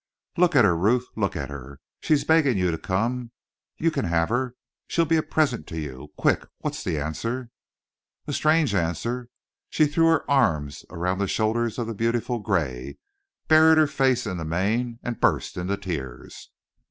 "Look at her, Ruth. Look at her. She's begging you to come. You can have her. She'll be a present to you. Quick! What's the answer!" A strange answer! She threw her arms around the shoulder of the beautiful gray, buried her face in the mane, and burst into tears.